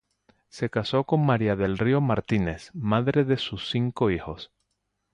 Se casó con María del Río Martínez, madre de sus cinco hijos.